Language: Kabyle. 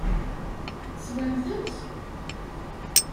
Teswamt-t?